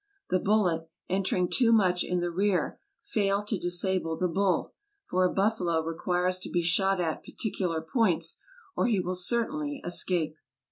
The bullet, entering too much in the rear, failed to disable the bull, for a buffalo requires to be shot at particular points, or he will certainly escape.